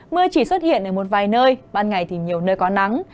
mưa chỉ xuất hiện ở một vài nơi ban ngày thì nhiều nơi có nắng